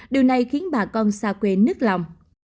điều này khiến bà con xa quê nứt lòng